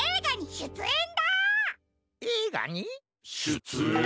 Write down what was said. しゅつえん？